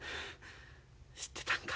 知ってたんか。